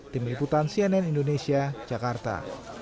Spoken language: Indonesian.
tim liputan cnn indonesia jakarta